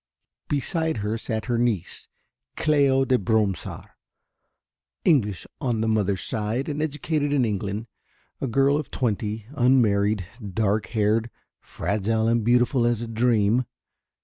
Beside her sat her niece, Cléo de Bromsart, English on the mother's side and educated in England, a girl of twenty, unmarried, dark haired, fragile and beautiful as a dream.